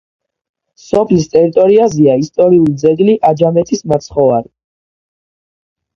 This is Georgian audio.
სოფლის ტერიტორიაზეა ისტორიული ძეგლი: „აჯამეთის მაცხოვარი“.